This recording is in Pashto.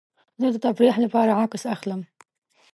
زه د تفریح لپاره عکس اخلم.